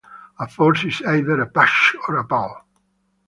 A force is either a push or a pull.